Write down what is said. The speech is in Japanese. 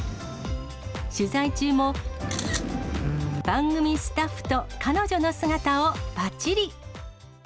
取材中も、番組スタッフと彼女の姿をぱちり。